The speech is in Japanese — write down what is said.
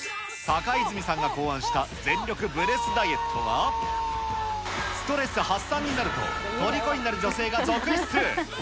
高泉さんが考案した全力ブレスダイエットは、ストレス発散になると、とりこになる女性が続出。